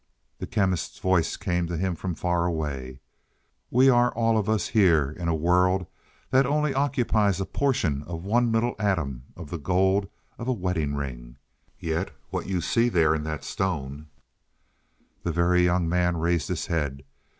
The Chemist's voice came to him from far away. "We are all of us here in a world that only occupies a portion of one little atom of the gold of a wedding ring. Yet what you see there in that stone " The Very Young Man raised his head.